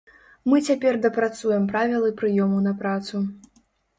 Мы цяпер дапрацуем правілы прыёму на працу.